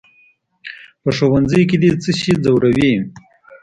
"په ښوونځي کې دې څه شی ځوروي؟"